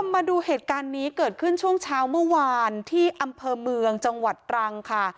มาดูเหตุการณ์นี้เกิดขึ้นช่วงเช้าเมื่อวานที่อำเภอเมืองจังหวัดตรังค่ะ